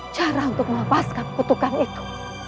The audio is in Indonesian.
cara untuk melepaskan kutukan itu